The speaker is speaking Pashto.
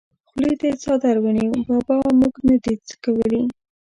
خولې ته یې څادر ونیو: بابا مونږ نه دي څکولي!